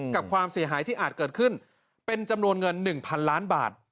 กับความเสียหายที่อาจเกิดขึ้นเป็นจำนวนเงิน๑๐๐๐ล้านบาท